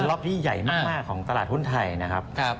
รอบที่ใหญ่มากของตลาดหุ้นไทยนะครับ